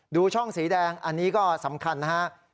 ดูช่องสีแดงอันนี้ก็สำคัญนะฮะ